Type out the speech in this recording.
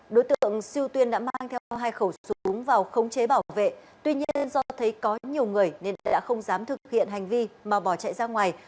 đối tượng siêu tuyên đã mang theo hai khẩu súng vào khống chế bảo vệ tuy nhiên do thấy có nhiều người nên đã không dám thực hiện hành vi mà bỏ chạy ra ngoài